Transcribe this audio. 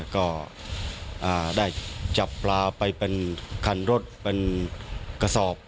ก็ได้จับปลาไปเป็นคันรถเป็นกระสอบ